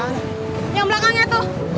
yang belakangnya tuh